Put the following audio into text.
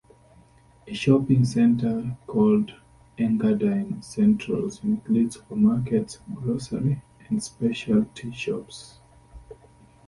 A shopping centre called Engadine Central includes supermarkets, grocery and specialty shops.